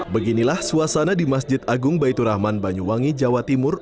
beginilah suasana di masjid agung baitur rahman banyuwangi jawa timur